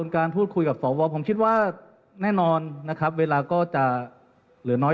การพูดคุยกับสวผมคิดว่าแน่นอนนะครับเวลาก็จะเหลือน้อย